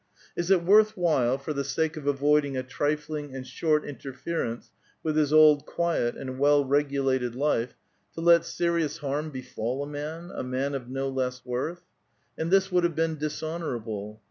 Is it worth while, for the sake of avoiding a trifling smnd short interference with his old quiet and well regulated life, to let serious harm befall a man, a man of no less worth? ^A.iid this would have been dishonorable.